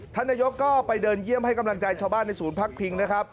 ท่านนายกก็ไปเดินเยี่ยมให้กำลังใจชาวบ้านในศูนย์พักพิงนะครับ